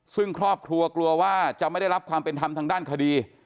ซึ่งครอบครัวกลัวว่าจะไม่ได้รับความเป็นธรรมทางด้านคดี